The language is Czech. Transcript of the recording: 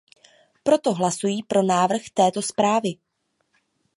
Proto hlasuji pro návrhy této zprávy.